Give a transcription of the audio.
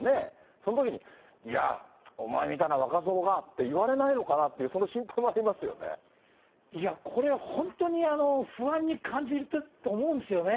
そのときに、いや、お前みたいな若造がって言われないのかなっていう、その心配もあいや、これ本当に不安に感じると思うんですよ。